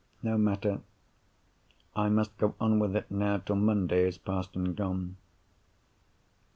No matter; I must go on with it now till Monday is past and gone.